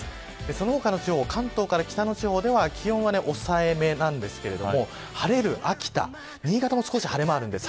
その他の地方、関東から北の地方では気温は抑えめですが晴れる秋田、新潟も少し晴れ間があります。